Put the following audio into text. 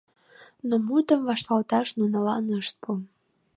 Но мутым вашталташ нунылан ышт пу.